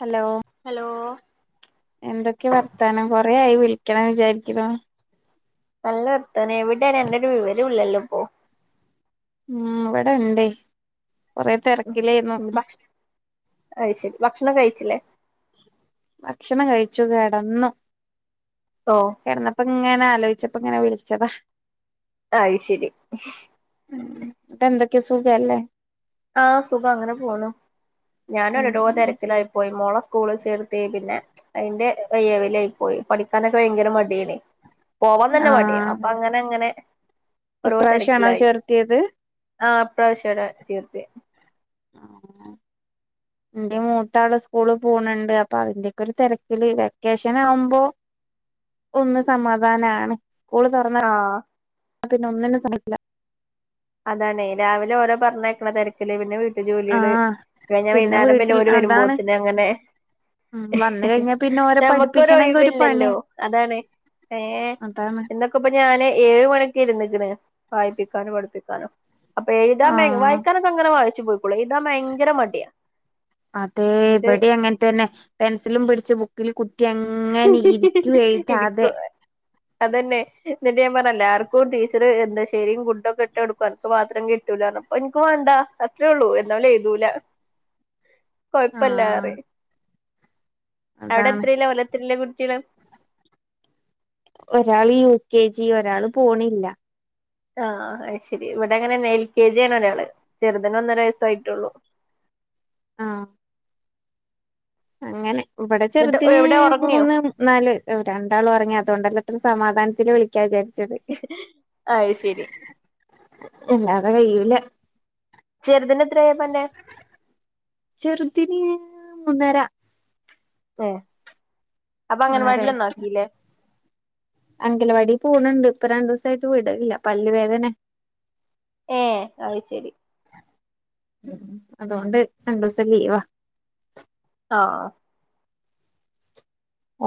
Hello hello എന്തൊക്കെ വർത്താനം കൊറെ ആയി വിളിക്കണം വിചാരിക്കുന്നു നല്ല വർത്തന എവിടെ രണ്ടര വിവര ഇല്ലല്ലോ ഇ പോ ഉ ഇവിടെ ഉണ്ട് കൊറെ തിരക്കിലായിന്ന ഭക്ഷണം അത് ശരി ഭക്ഷണം കഴിച്ചില്ലേ ഭക്ഷണം കഴിച്ചു കിടന്നു ഓ കിടന്നപ്പോ ഇങ്ങന ആലോച്ചപ്പ ഇങ്ങനെ വിളിച്ചതാ അഹ് ശരി ഉം എന്തൊക്കെയ സുഖല്ലേ ആഹ് സുഖം അങ്ങനെ പോണ്ഞാന ഒടടു പോ ഉം തിരക്കിലായി പോയി മോള സ്കൂള ചേർത്ത് പിന്നെ അതിന്റെ്യവിലായി പോയി പഠിക്കാനൊക്കെ ഭയങ്കര മടാണ് പോവാൻ തന്നെ മടിയാ ആഹ് അപ്പൊ അങ്ങനെ അങ്ങനെ ഇപ്രാവശ്യാണോ ചേർത്തിയത് ആഹ്പ്രാവശ്യംട ചെയീ ആഹ് എന്റെ മൂത്ത ആടെ സ്കൂള് പോണണ്ട് അപ്പൊ അതിന്റെയൊക്ക ഒരു തിരക്കില് വെക്കേഷൻ ആവുമ്പോ ഒന്ന് സമാധാനണ് ആഹ് പിന്നെ ഒന്നിനന്നും സമയില്ല അതാണേ രാവിലെ ഓരോ പറഞ്ഞക്കണ തിരക്കില് പിന്നെ വീ ജോലികള് ആഹ് കഴിഞ്ഞൽ പിന്നെ വീട്ടിൽ വൈകുന്നേരംലൂര് വരുമ്പോ അതാണ് തന് അങ്ങനെ ഉം വന്ന് കഴിഞ്ഞാ പിന്നെ ഓരെ നമുക്കൊര പഠിപ്പിക്കണെങ്കി ഒരു പണിയാ ഒഴിവില്ലല്ലോ അതാണ് ഏഹ് അതാണ് എന്തൊക്കെ ഇപ്പൊ ഞാന് ഏഴ് മണിൂ ഇ വായിപ്പിക്കാനോ പഠിപ്പിക്കാനോ അപ്പൊ എഴുതാൻ ആഹ് വായിക്കാനൊക്കെ അങ്ങനെ വായിച്ചു പോയിക്കും അതെ എന്നിട്ട് ഇവിടെ അങ്ങനെ തന്നെ പെൻസിലും പിടിച്ച് ബുക്കിൽ കുത്തി അങ്ങനെ ഇരിക്കും ഇക്ക എഴുതാതെ അതന്നെ എന്നിട്ട് ഞാൻ പറഞ്ഞ എല്ലാവർക്കും ടീച്ചറ് എന്താ ശരിും ഫുഡൊക്കെ ഇട്ട് എടുക്കും എനിക്ക് മാത്രം കിട്ടൂലോ അപ്പൊ എനിക്ക് വേണ്ടാ അത്രേള്ളൂ എന്നല്ല എഴുതുൂല [inaudible] കൊഴപ്പില്ലാറ ആഹ് അവിടെ അതാണ് എത്രല്ല വല്ല എല്ലേ കുട്ടികള് ഒരാള് യു കെ ജി ഒരാള് പോണില്ല ആഹ് ശരി ഇവിടെ അങ്ങനെ തന്നെ എൽ കെ ജി ആണ് ഒരാള്, ചെറുതിന് ഒന്നര വയസ്സായിട്ടുള്ളു. ആഹ്. അങ്ങനെ ഇവിടെ എന്നിട്ട് ചെറുതിന് എവിടെ ഉറങ്ങിയോ മൂന്ന് നാല് രണ്ടാളും ഉറങ്ങി അതുകൊണ്ടല്ലേ. ഒരു സമാധാനത്തില് വിളിക്കാ വിചാരിച്ച്. ആഹ് ശരി. എല്ലാതെ കൈയ്യൂലാ. ചെറുതിന് എത്രയാപ്പന്റെ ചെറുതിന് മൂന്നര. ഏ അപ്പൊ അംഗനവാടിയിൽ ഒന്നാക്കിയില്ലേ? അങ്കലവാടി പോണുണ്ട് ഇപ്പൊ രണ്ടു ദിവസായിട്ട് വിടണില്ല പല്ല് വേദനയാ. ഏ അത് ശെരി. ഉം അതുകൊണ്ട് രണ്ടീവസം ലീവാ. ആഹ്.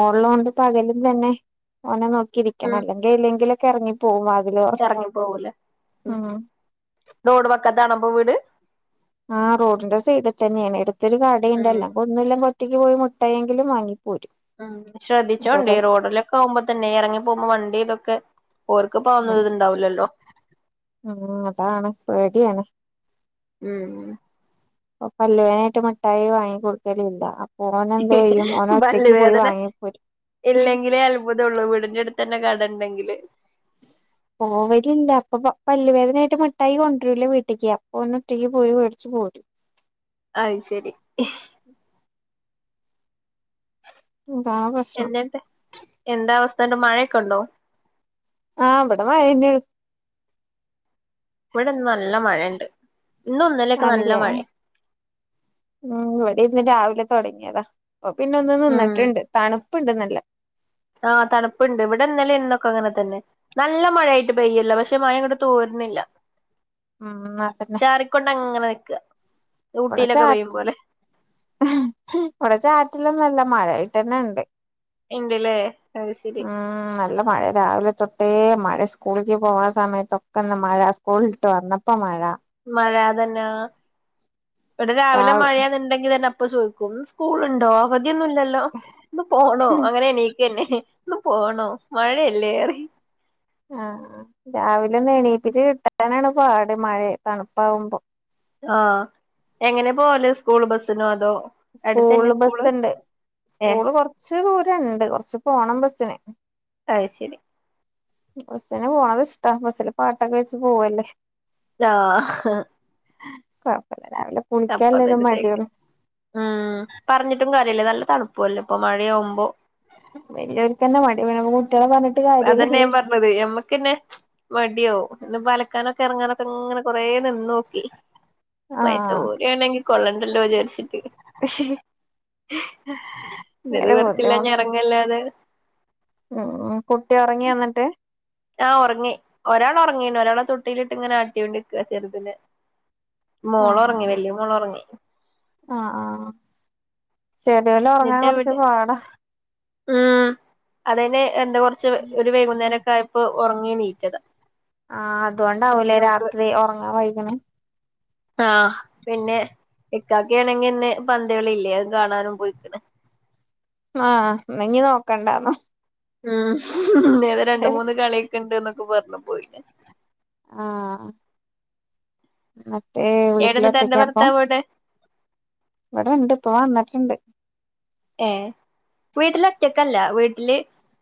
ഓള്ളൊണ്ടിപ്പോ പകലും തന്നെ ഓനെ നോക്കിയിരിക്കണം അല്ലെങ്കിൽ എതിലേങ്കിലുലൊക്കെ ഇറങ്ങി പോവും അത് ഇറങ്ങിപ്പോകൂലേ ഉം റോഡ് വക്കത്താണാണോ അപ്പോ വീട്. ആഹ് റോഡിന്റെ സൈഡ്‌ തന്നെ ആണ് അടുത്തൊരു കടയുണ്ട്, ഉം അല്ലെങ്കിൽ ഒന്നു ഇല്ല. [unintelligible] ഒറ്റക്ക് പോയി മുട്ടായിയെങ്കിലും വാങ്ങിക്കും. ഉം ശ്രദ്ധിച്ചോണ്ട് ഈ റോഡിലൊക്കെ പോവുമ്പോ തന്നെ ഇറങ്ങി പോകുമ്പോ വണ്ടി ഇതൊക്കെ. ഓർക്കിപ്പോ ഒന്നും ഇതുണ്ടാവൂലല്ലോ അതാണ് പേടിയാണ്. ഉം. ഇപ്പ പല്ലുവേദനായിട്ട് മുഠായി വാങ്ങി കൊടുക്കലുല്ല. പല്ല് വേദന പോരും ഇല്ലെങ്കിലേ അത്ഭുതം ഉള്ളൂ വീടിന്റെ അടുത്ത് തന്നെ കട ഉണ്ടെങ്കില്. [inaudible] പോവലില്ല അപ്പൊ പല്ലവേദനയായിട്ട് മിഠായി കൊണ്ടുവരുല്ലാ വീട്ടിക്ക് അപ്പൊ ഓന് ഒറ്റക്ക് പോയി മേടിച്ചു പോരും. [inaudible] അയ്ശരി. അതാണ് പ്രശ്നം എന്തുണ്ട് എന്താ അവസ്ഥ ഉണ്ട് മഴയൊക്കെ ഉണ്ടോ? ആ ഇവിടെ മഴ തന്നെയാണ്. ഇവിടിന്ന് നല്ല മഴയുണ്ട്. ഇന്നും ഇന്നലെയൊക്കെ നല്ല ആണല്ലേ മഴയാ ഉം ഇവിടെ ഇന്ന് രാവിലെ തുടങ്ങിയതാ. ഇപ്പ പിന്നെ ഒന്ന് ഉം നിന്നിട്ടുണ്ട് തണുപ്പുണ്ട് നല്ലേ. ആഹ് തണുപ്പുണ്ട് ഇവിടെ ഇന്നലേം ഇന്നൊക്കെ അങ്ങനെ തന്നെ നല്ല മഴയായിട്ട് പെയ്യല്ല പക്ഷെ മഴ അങ്ങട് തോരു ന്നില്ല. ഉ [inaudible] ഉം അതന്നെ അങ്ങനെ നിക്ക അവിടെ ഊട്ടിയിലൊക്കെ പെയ്യും ചാറ്റ് പോലെ ഇവിടെ ചാറ്റിലൊന്നല്ല മഴയായിട്ടന്നെ ഉണ്ട്. ഇണ്ടില്ലേ. ഉം നല്ല മഴ രാവിലെ തൊ ട്ടെ യേ മഴ സ്കൂളിക്ക് പോവാ സമയത്തൊക്കെ ഇന്ന് മഴ സ്കൂളിട്ട് വന്നപ്പോ മഴ. മഴ തന്നെ ഇവിടെ രാവിലെ രാവ് മഴയാന്ന് ഉണ്ടെങ്കി തന്നെ. ഇപ്പ ചോയിക്കും സ്കൂളുണ്ടോ? അവധിയൊന്നും ഇല്ലല്ലോ ഇന്ന് പോണോ അങ്ങനെ എണീക്കന്നെ. പോണോ മഴയല്ലേ പറയ്. ആഹ് രാവിലെ ഒന്ന് എണീപ്പിച്ച് കിട്ടാനാണ് പാട് മഴ തണുപ്പാവുമ്പോ. ആഹ് എങ്ങനെ പോവാല് സ്കൂൾ ബസ്സിനോ അതോ. സ്കൂള് ബസ്സുണ്ട് ഏഹ് സ്കൂള് കൊറച്ച് ദൂരം ഉണ്ട് കുറച്ച് പോണം ബസ് സ്സിന്. അത് ശെരി. ബസ്സിന് പോണത് ഇഷ്ടാ ബസ്സില് പാട്ടൊക്കെ വെച്ച് പോവല്ലേ. ആഹ്. കുഴപ്പല്ല അപ്പഴ്‌ത്തേക്ക് ഉം പറഞ്ഞിട്ടും കാ നല്ല തണുപ്പൂല്ലാ ഇപ്പൊ മഴയാവുമോ വലിയർക്കനെ മടി [unintelligible] അതെന്നെ കാര്യല്ലല്ലോ ഞാൻ പറഞ്ഞത് ഞമ്മക്ക്ന്നെ മടിയാവൂ എന്ന് പല ഇക്കാനൊക്കെ ഇറങ്ങാനൊക്കെ ഇങ്ങനെ കൊറ നിന്ന നോക്കി ആഹ് വയത്തൂരണ്ടെങ്കിൽ കൊള്ളണ്ടല്ലോ വിചാരിച്ചി ഇന്നത് ഭയങ്കര വെറത്തില്ലഞ ബുദ്ധിമുട്ട് ഇറങ്ങല്ലാതെ ഉം കുട്ടി ഇറങ്ങി വന്നിട്ട് ആഹ ഉറങ്ങേ ഒരാൾ ഉറങ്ങീന ഒരാളെ തൊട്ടിയിലിട്ട് ഇങ്ങനെ ആട്ടിയൊണ്ടി ചെറുതിെ മോള ഉറങ്ങി വലിയ മോള ഉറങ്ങി ആഹ ആഹ ശെരില ഉറങ്ങാൻ എന്നിട്ട് കുറച്ച് ഇവിടെ പാടാ ഉം അതന് എന്താ കൊറച്ച് ഒരു വൈകുന്നേരംക്കെ ആയപ്പോൊ ഉറങ്ങി നീക്കത് ആഹ അതുകൊണ്ടാവൂലേ രാത്രി ഉറങ്ങാൻ വൈകണ് ആഹ പിന്നെ ഇക്കാക്കാണെങ്കിൽ ഇന്ന് പന്തകള ഇല്ലേ അ കാണാനും പോയിക്കണ് ആഹ നഞ്ഞി നോക്കണ്ടന്നു ഉം നേര രണ്ട മൂന്ന് കളിയൊക്കെ ഇണ്ട് എന്നൊക്കെ പറഞ്ഞു പോയിഞ്ഞ ആഹ മറ്റേ ഏടന്നിട്ട് അന്റെ വീട്ടിലൊത്തക്കാപ്പ ഭർത്താവ് എവിടെ ഇവിടെ ഇണ്ട് പോവാ വന്നിട്ടുണ്ട് ഏ വീട്ടിലറ്റക്കല്ല വീട്ടില്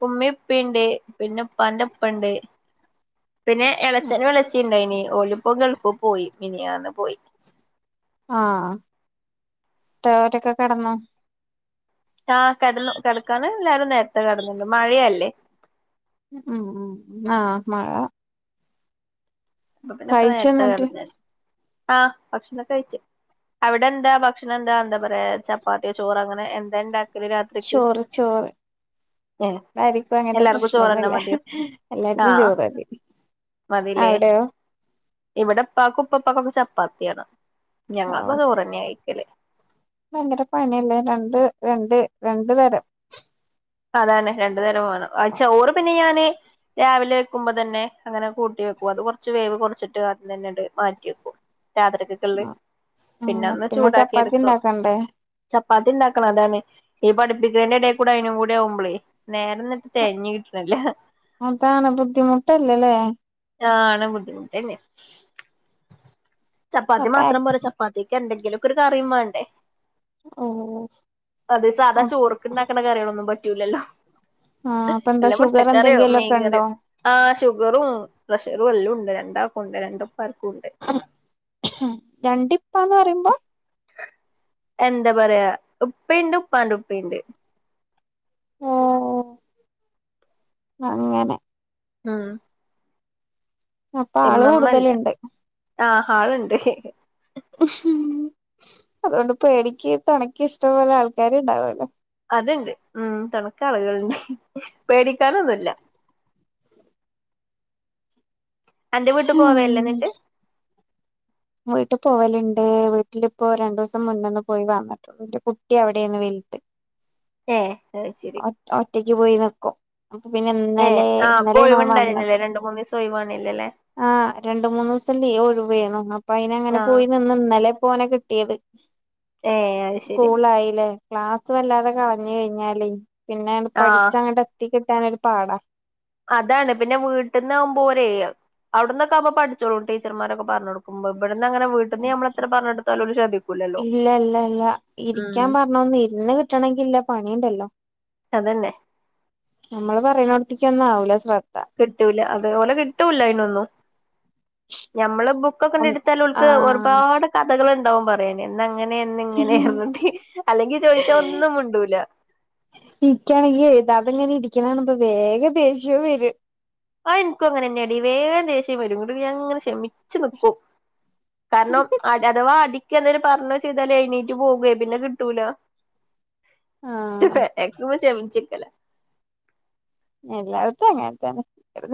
ഉമ്മിപ്പിണ്ട് പിന്നെ ഉപ്പാന്റെപ്പ ഉണ്ട് [inaudible] പിന്നെ ഇളച്ചൻ ഇളച്ചിണ്ടായിനി ഓലിപ്പൊ കേൾക്ക പോയി മിനിയന്ന് പോയി ആഹ ഇ ഒരൊക്കെ കിടന്നു ആ് കിടന്നു കിടക്കാന് എല്ലാരും നേരത്തെ കിടന്നണ്ട് മഴയയല്ലേ ഉം ഉ ആഹ മഴ അപ്പ പിന്നൊക്കെ കഴിച്ചോ നേരത്തെ ന്നട്ട് കടന്ന ആഹ് ഭക്ഷണംക്കെ കഴിച്ചു അവിടെ എന്താ ഭക്ഷണം എന്താ എന്താ പറയാ ചപ്പാത്തിയ ചോറ് അങ്ങനെ എന്താ രാത്രിക്ക് ചോറ് ചോറ് ഏ എായിരിക്കും അങ്ങനത്തെ എല്ലാർക്കും ചോറന്നെ പ്രശ്നൊന്നുമല്ല മതിയോ എല്ലാർക്കും ചോറാ മതി മതിലേ അവിടെയോ ഇവിടെ പാക്ക് ഉപ്പപ്പാക്കൊക്കെ ചപ്പാത്തിയാണ് ഞങ്ങക്ക ആഹ് ചോറ്ന്നെ അയിക്കലേ ഭയങ്കര പണല്ലേ രണ്ട് രണ്ട് രണ്ട് തരം അതന്നെ രണ്ടു തരം വേണം ചോറ് പിന്നെ ഞാന് രാവിലെ വെക്കുമ്പോ തന്നെ അങ്ങനെ കൂട്ടി അത് കുറച്ച് വേവ് കുറച്ചിട്ട് അത്ന്നെ് മാറ്റിവെക്ക രാതരക കള്ള് പിന്നെ ആഹ് ഒന്ന് ചൂടാക്കി ചപ്പാത്തി എടുക്കും ഉണ്ടാക്കണ്ടേ പത്തി ഉണ്ടാക്കണം അതാണ് ഈ പഠിപ്പിക്കട കൂടെ അയി കൂടെ ആവുമ്പളി നേരന്നിട്ട് തതിഞ്ഞ കിട്ടണല്ലോ അതാണ് ബുദ്ധിമുട്ടല്ലല്ലേ ചാന ബുദ്ധിമുട്ടേെ ചപ്പാത്തി അപ്പ മാത്രം പററ ചപ്പാത്തി എന്തെങ്കിലുംക്ക ഒരു കറിയം വേണ്ടേ ഓഹ് അത സാധാ ചോർക്കണ്ടാക്കണ കറികളൊന്നും പറ്റൂലല്ലോ ആഹ് അപ്പൊ എന്താ അല്ല ഷുഗർ മുട്ടക്കാരോ മേൻ എന്തെങ്കിലുമൊക്കെ ഉണ്ടോ കറിയോ ആഹ് ഷുഗറും പ്രഷ വല്ല ഉണ്ട് രണ്ടാക്ക ഉണ്ട് രണ്ടും രഞണ്ടിപ്പാന്ന് പറയുമ്പോ എന്താ പറയാ ഉപ്പയണ്ട് ഉപ്പാണ്ട് ഉപ്പുണ്ട് ഓഹ് അങ്ങനെ ഉം അപ്പൊ ആള് എമ്മമ്മല്ല കൂടുതലുണ്ട് ആഹ് ഹാളുണ്ട് അതുകൊണ്ട് പേടിക്ക് തണക്ക് ഇഷ്ടംപലെ ആൾക്കാാര് ഇണ്ടാവല്ലോ അണ്ട് ഉ തണക്ക ആളുകളൾ പേടിക്കാനൊന്നുമല്ല എന്റെ വീട്ടു പോവല്ല ഉം എന്നിട്ട് വീട്ടിൽ പോവലുണ്ട് വീട്ടിലിപ്പോ രണ്ടു ദിവസം മുന്നൊന്ന് പോയി വന്നിട്ടു കുട്ടി അവിടെന്ന് വലിട്ട് ഏഹ് അത് ശരി ഒറ്റക്ക് പോയി നിൽക്കും അപ്പൊ പിന്നെ ഏഹ് ഇന്നലെ ആഹ് ഇപ്പൊ ഇന്നലെ നോമ്മ ഒഴിവുണ്ടായിരുന്നില്ലേ വന്നത് രണ്ട് മൂന്ന് ദിവസം ഒഴിവാണില്ലല്ലേ ആഹ് രണ്ട്മൂന്നൂസം ലീവ് ഒഴിവാന്ന് അന്നപ്പൊ അയിന് അങ്ങനെ ആഹ് പോയി നിന്ന് ഇന്നലെ പോനെ കിട്ടിയത് ഏഹ് അത് ശരി സ്കൂളായില്ലേ ക്ലാസ് വല്ലാതെ കളഞ്ഞ്കഴിഞ്ഞാലേ പിന്നെ ആഹ് പഠിച്ചങ്ങട്ട് എത്തി കിട്ടാനരു പാടാ അതാണ് പിന്നെ വീട്ടന്നാവുമ്പോരെ അവിടന്നൊക്കാവുമ്പ പഠിച്ചോളൂ ടീച്ചർമാരൊക്കെ പറഞ്ഞൊടുക്കുമ്പോ ഇവിടന്ന് അങ്ങനെ വീട്ടന്ന് ഞമ്മളെത്ര പറഞ്ഞെടുത്താല്ലും ശ്രദ്ധിക്കൂലല്ലോ ഇല്ല ഉം ന്ന് കിട്ടണങ്കില്ല പണിയണ്ടല്ലോ അതന്നെ നമ്മള് പറയുന്നോടത്തേക്ക് ഒന്നാവൂല ശ്ര- കിട്ടൂല അതേപോലെ കിട്ടൂല അയ്നൊന്നു ഞമ്മള് ബുക്കൊക്കെണ്ട ഒന്ന് എടുത്താൽ ഓൾക്ക് ആഹ് ഒരുപാട് കഥകളുണ്ടാവും പറയാന് അങ്ങനെയെന്ന് ഇങ്ങനെയാർന്ന്ടി അല്ലെങ്കി ചോയിച്ചാ ഒന്നും മിണ്ടൂല ഇരിക്കയാണെങ്കിൽ എയ്താതിങ്ങനെ ഇരിക്കണാണുമ്പ വേഗം ദേശ്യോം വരും. ആഹ് നിക്കും അങ്ങനെ തന്നെയടി വേഗം ദേശ്യം വരുംങ്ങടി ഞാൻ ഇങ്ങനെ ക്ഷമിച്ച്നിക്കും കാരണം അടി അഥവാ അടി കെന്തേലും പറഞ്ഞോ ചെയ്താലേ എണീറ്റ് പോകേ പിന്നെ കിട്ടൂല ആഹ് [unintelligible] ക്ഷമിച്ചിക്കല്ല എല്ലാടത്തും അങ്ങനെത്തന്നെ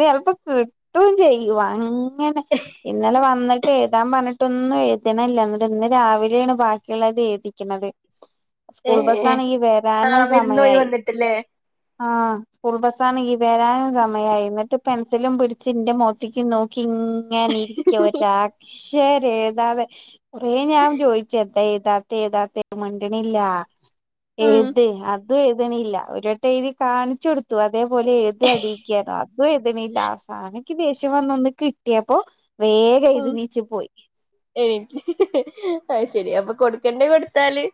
ചിലപ്പോ കിട്ടും ചെയ്യുവാ അങ്ങെ ഇന്നലെ വന്നിട്ട് എഴുതാൻ പണ- ട്ടൊന്നും എഴുതണില്ല എന്നിട്ട് ഇന്ന് രാവിലെയാണ് ബാക്കിയുള്ള അത് എഴിതിക്കണത് ഏ സ്കൂൾ ബസ്സാണെങ്കി വരാനും ആഹ് വിരുന്നോയി സമയായി വന്നിട്ടില്ലേ ആഹ് ബസ്സാണങ്കി വരാനും സമയമായി എന്നിട്ട് പെൻസിലും പിടിച്ചിന്റെ മൊത്തേക്കും നോക്കി ഇങ്ങനിരിക്ക ഒരു അക്ഷരെഴുതാതെ കൊറേ ഞാൻ ചോയിച്ച് എന്താ എയ്താത്തെ എയ്താതെ മിണ്ടണില്ല ഉം എയ്ത് അത് അതും എയ്തണില്ല ഒരുട്ടെഴുതി കാണിച്ചു കൊടു- അതേപോലെ എഴുത് അടിയിക്കാനോ അതും എഴ്തണില്ല അവസാനിക്ക് ദേഷ്യം വന്നൊന്ന് കിട്ടിയപ്പോ വേഗം എഴുതി ആഹ് നീച്ചു പോയി എണി അയ്ശ- ശരി അപ്പൊ കൊടുക്കെണ്ടെ കൊടുത്താല്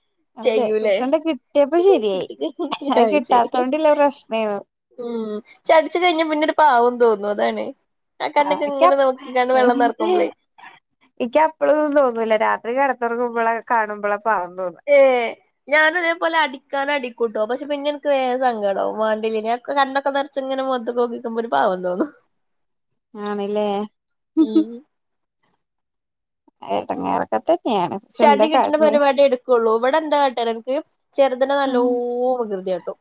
[inaudible] അതെ ചെയ്യൂലേ കിട്ടണ്ട കിട്ടിയപ്പൊ ശരിയായി കുട്ടിക്ക് അത് കിട്ടാത്ത കൊണ്ടില്ല പ്രശ്നായ്നു ഉം ചടിച്ചു കഴിഞ്ഞ പിന്നട് പാവം തോന്നു അതാണ് ആ ആഹ് കണ്ണൊക്കെ എനിക ഇങ്ങനെ നോക്കിക്കാണ്ട് വെള്ളം നെറക്കുമ്പളേ എനിക്കപ്പളൊന്നും തോന്നൂല്ല രാത്രി കെടന്നൊറങ്ങമ്പള കാണുമ്പള ഏഹ് ഞാനു ഇതേപോലെ അടിക്കാന അടി- കൂട്ടോ പക്ഷെപിന്നെനിക്ക് വേഗസങ്കടാവ് വേണ്ടില്ലനിനെ കണ്ണൊക്കെ നിറച്ചിങ്ങനെ മൊത്തേക്കോക്കിക്കുമ്പൊ ഒരു പാവം തോന്നും ആണല്ലേ ഉം ഏടങ്ങേറക്കത്തെ ശതി കിട്ടണ്ട പരിപാടി എടുക്കുള്ളൂ ഇവിടെ എന്താകാട്ടെ എനക്ക് ചെറുതനെ നല്ലോ വികൃതിയാട്ടോ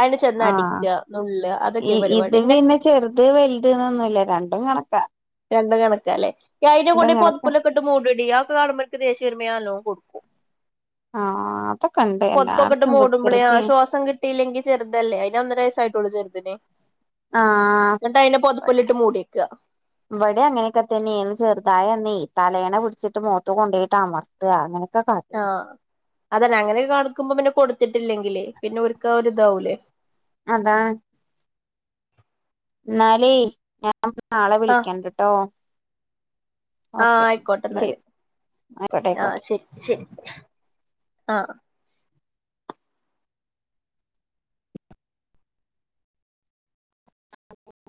അതിന് ചെന്ന് ആഹ് അടിക്ക നുളാ ഈ അതൊക്കെയ പരിപാടി ഇത് ഇന്നെ പിന്നെ ചെറുത് വലുത് എന്നൊന്നുല്ല രണ്ടും കണക്കാ രണ്ട കണക്കാല്ലെ അയിനെകൊണ്ട് രണ്ടും കണക്കാ പൊതുപ്പൊല്ലെക്കിട്ട്മൂടൂടി കാണമ്പെനിക്ക് ദേശ്യവരുമ്പ ഞാനലോ കൊടുക്കും ആഹ് അതൊക്കെണ്ട് പൊതപ്പൊക്കെട്ട് എല്ലായിടത്തും മൂടുമ്പോളൊ വികൃതി ശ്വാസം കിട്ടീല്ലെങ്കി ചെറുതല്ലേ അയ്ന് ഒന്നര വയസായിട്ട്- ട്ടുള്ളു ചെറ്തിന് ആഹ് എന്നിട്ടയിനെ പൊതപ്പൊല്ലിട്ട് മൂടിയേക്ക വിടെ അങ്ങനെയൊക്കെതന്നെയ ചെറുതായന്നി തലെയണ പിടിച്ചിട്ട് മോത്ത് കൊണ്ടോയിട്ട്മർത്തുക ങ്ങനെ ആഹ് അതന്നെ അങ്ങനെയക്കെ കാണിക്കുമ്പോ പിന്നെ കൊടുത്ത് ത്തിട്ടില്ലെങ്കിലെ പിന്നെ ഒരുക്ക ഒരു ഇതാവൂലേ അതാണ് എന്നാലേ ഞാൻ നാളെ ആഹ് വിളിക്കണ്ടട്ടോ ആഹ് ആയിക്കോട്ടെന്നാല് ശരി ആയിക്കോട്ടെ ആയിക്കോട്ടെ ആഹ് ശരി ശരി ആഹ [inaudible]